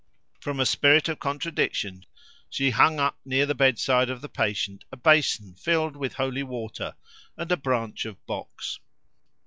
From a spirit of contradiction she hung up near the bedside of the patient a basin filled with holy water and a branch of box.